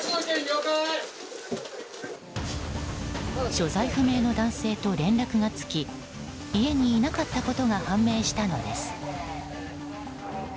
所在不明の男性と連絡がつき家にいなかったことが判明したのです。